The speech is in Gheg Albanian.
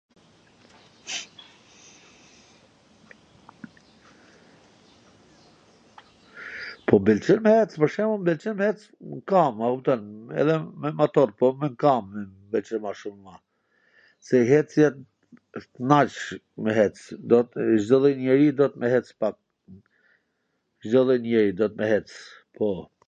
Po m pwlqen me ec, mor, pwr shembull, mw pwlqen me ec n kamb, a kupton, edhe me mator, po n kamb m pwlqen ma shum ma, se ecjen wsht knaqsh me ec, do t... Cdo lloj njeri duhet me ec pak, Cdo lloj njeri duhet me ec, po.